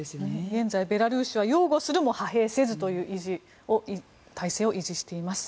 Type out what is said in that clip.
現在ベラルーシは擁護するも派兵せずという体制を維持しています。